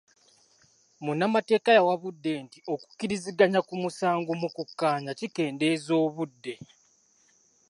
Munnamateeka yawabudde nti okukiriziganya ku musango mu kukkaanya kikendeeza ku budde.